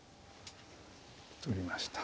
取りました。